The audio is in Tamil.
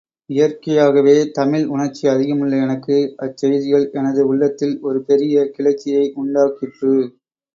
இயற்கையாகவே தமிழ் உணர்ச்சி அதிகமுள்ள எனக்கு, அச்செய்திகள் எனது உள்ளத்தில் ஒரு பெரிய கிளர்ச்சியை உண்டாக்கிற்று.